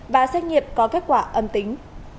và xét nghiệp có kết quả âm tính